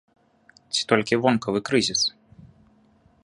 Ці толькі вонкавы крызіс?